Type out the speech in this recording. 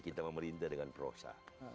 kita memerintah dengan prosa